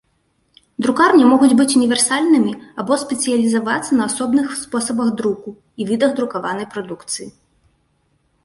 Друкарні могуць быць універсальнымі або спецыялізавацца на асобных спосабах друку і відах друкаванай прадукцыі.